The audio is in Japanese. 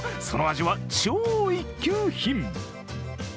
その味は超一級品。